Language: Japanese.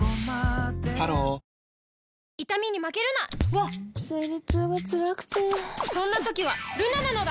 ハローわっ生理痛がつらくてそんな時はルナなのだ！